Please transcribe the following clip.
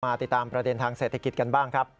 ติดตามประเด็นทางเศรษฐกิจกันบ้างครับ